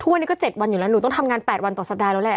วันนี้ก็๗วันอยู่แล้วหนูต้องทำงาน๘วันต่อสัปดาห์แล้วแหละ